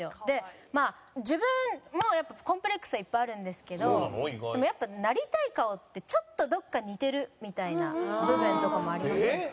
でまあ自分もやっぱコンプレックスはいっぱいあるんですけどでもやっぱなりたい顔ってちょっとどこか似てるみたいな部分とかもありませんか？